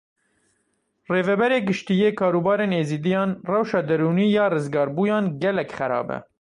Rêveberê Giştî yê Karûbarên Êzidiyan, rewşa derûnî ya rizgarbûyan gelek xerab e.